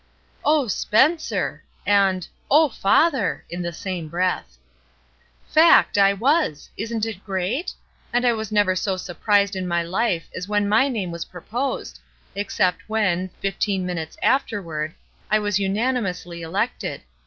"Oh, Spencer!" and ''Oh, father!" in the same breath. "Fact, I was! Isn^ it great? I was never so surprised in my life as when my name was proposed, except when, fifteen minutes after ward, I was unanimously elected.